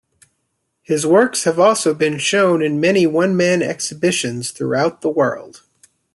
His works have also been shown in many one-man exhibitions throughout the world.